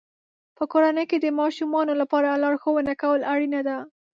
په کورنۍ کې د ماشومانو لپاره لارښوونه کول اړینه ده.